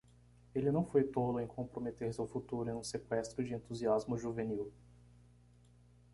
Ele não foi tolo em comprometer seu futuro em um seqüestro de entusiasmo juvenil.